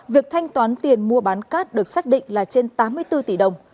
việc thanh toán tiền mua bán cát được xác định là trên tám mươi bốn tỷ đồng